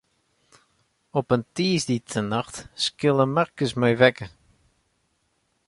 Op in tiisdeitenacht skille Markus my wekker.